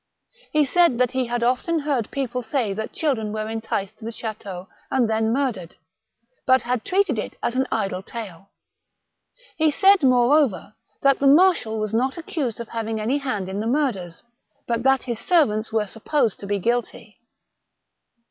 He said that he had often heard people say that children were enticed to the chateau and then murdered, but had treated it as an idle tale. He said, moreover, that the marshal was not accused of having any hand in the murders, but that his servants were supposed to be guilty.